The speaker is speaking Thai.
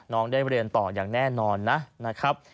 น้องได้เรียนต่ออย่างแน่นอนนะครับ